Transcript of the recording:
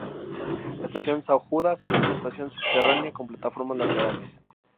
La estación São Judas, es una estación subterránea, con plataformas laterales.